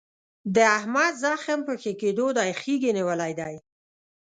د احمد زخم په ښه کېدو دی. خیګ یې نیولی دی.